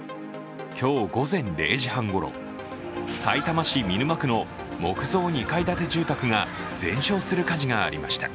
今日午前０時半ごろさいたま市見沼区の木造２階建て住宅が全焼する火事がありました。